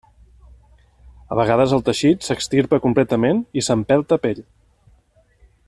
A vegades, el teixit s'extirpa completament i s'empelta pell.